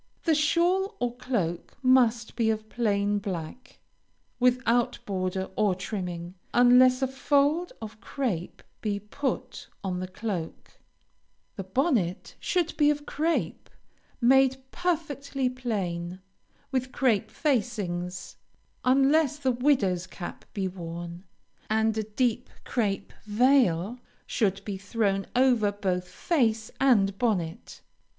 The shawl or cloak must be of plain black, without border or trimming, unless a fold of crape be put on the cloak; the bonnet should be of crape, made perfectly plain, with crape facings, unless the widow's cap be worn, and a deep crape veil should be thrown over both face and bonnet.